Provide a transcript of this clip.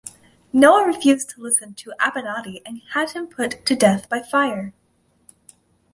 Noah refused to listen to Abinadi and had him put to death by fire.